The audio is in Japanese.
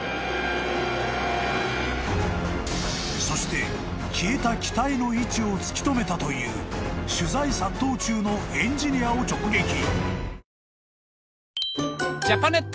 ［そして消えた機体の位置を突き止めたという取材殺到中のエンジニアを直撃］